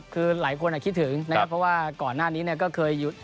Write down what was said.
คือหลายคนคิดถึงนะครับเพราะว่าก่อนหน้านี้เนี่ยก็เคยหยุด